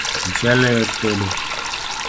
Michele yot tedo